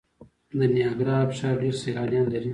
د نیاګرا ابشار ډیر سیلانیان لري.